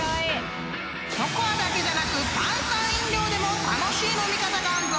［ココアだけじゃなく炭酸飲料でも楽しい飲み方があんぞ！］